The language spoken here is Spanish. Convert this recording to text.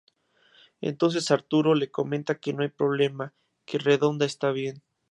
Entonces Arturo le comenta que no hay problema, que redonda está bien.